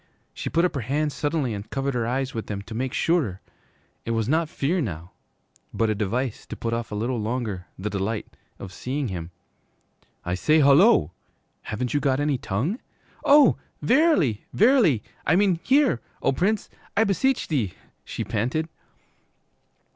She put up her hands suddenly and covered her eyes with them to make surer. It was not fear now, but a device to put off a little longer the delight of seeing him. 'I say, hullo! Haven't you got any tongue?' 'Oh, verily, verily, I mean hear, O Prince, I beseech,' she panted.